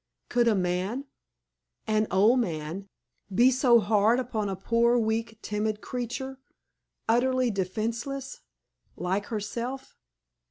Could a man an old man be so hard upon a poor, weak, timid creature utterly defenseless like herself?